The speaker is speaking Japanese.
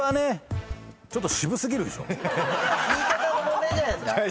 言い方の問題じゃないですか？